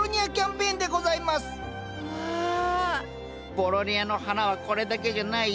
ボロニアの花はこれだけじゃないよ。